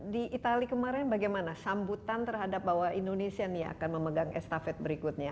di itali kemarin bagaimana sambutan terhadap bahwa indonesia nih akan memegang estafet berikutnya